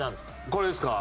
これですか？